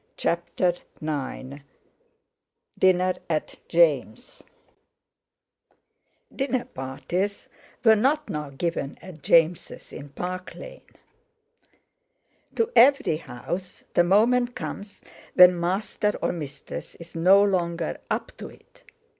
CHAPTER IX DINNER AT JAMES' Dinner parties were not now given at James' in Park Lane—to every house the moment comes when Master or Mistress is no longer "up to it".